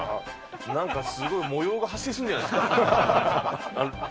なんか、すごい模様が発生するんじゃないですか？